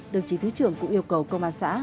đồng chí thứ trưởng cũng yêu cầu công an xã